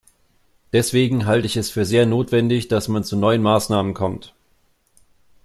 Deswegen halte ich es für sehr notwendig, dass man zu neuen Maßnahmen kommt.